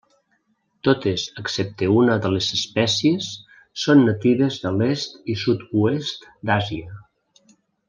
Totes excepte una de les espècies són natives de l'est i sud-oest d'Àsia.